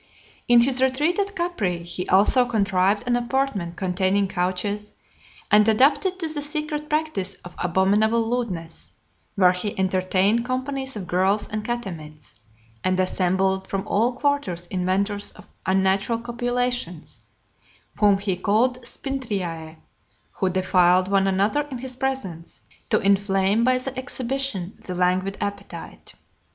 XLIII. In his retreat at Capri , he also contrived an apartment containing couches, and adapted to the secret practice of abominable lewdness, where he entertained companies of girls and catamites, and assembled from all quarters inventors of unnatural copulations, whom he called Spintriae, who defiled one another in his presence, to inflame by the exhibition the languid appetite.